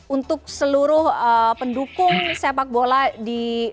untuk seluruh pendukung sepak bola di